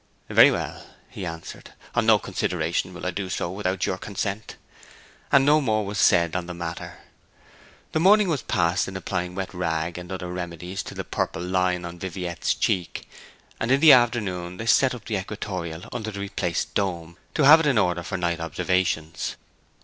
'Very well,' he answered. 'On no consideration will I do so without your consent.' And no more was said on the matter. The morning was passed in applying wet rag and other remedies to the purple line on Viviette's cheek; and in the afternoon they set up the equatorial under the replaced dome, to have it in order for night observations.